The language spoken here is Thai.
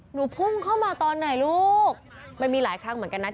พุ่งเข้ามาตอนไหนลูกมันมีหลายครั้งเหมือนกันนะ